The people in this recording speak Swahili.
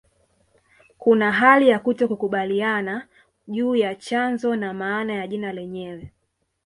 Kuna hali ya kutokukubaliana juu ya chanzo na maana ya jina lenyewe